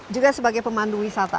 juga sebagai pemandu wisata